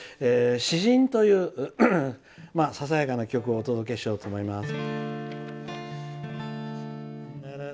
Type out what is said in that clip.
「詩人」というささやかな曲をお届けしようと思います。